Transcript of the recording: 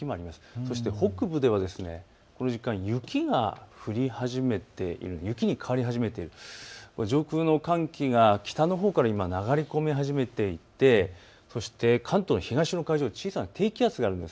そして北部ではこの時間雪に変わり始めて上空の寒気が北のほうから流れ込み始めていてそして関東の東の海上を小さな低気圧があるんです。